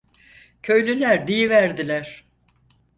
Köylüler diyiverdiler!